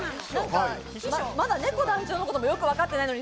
まだねこ団長のこともよくわかっていないのに。